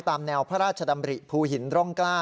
ตามแนวพระราชดำริภูหินร่องกล้า